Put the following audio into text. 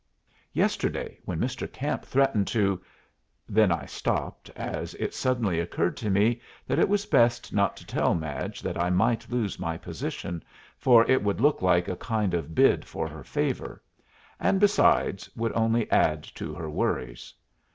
Yesterday, when Mr. Camp threatened to " Then I stopped, as it suddenly occurred to me that it was best not to tell Madge that I might lose my position, for it would look like a kind of bid for her favor, and, besides, would only add to her worries.